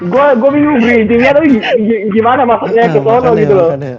gue bingung berintimnya tapi gimana maksudnya keseluruhannya gitu loh